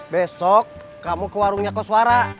besok kamu ke warungnya koswara